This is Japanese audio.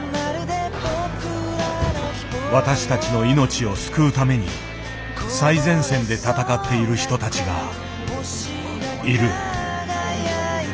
私たちの命を救うために最前線で闘っている人たちがいる。